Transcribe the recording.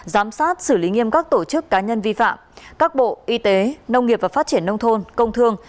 giám sát xử lý nghiêm các tổ chức cá nhân vi phạm các bộ y tế nông nghiệp và phát triển nông thôn công thương